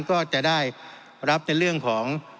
ก็จะได้รับในเรื่องของ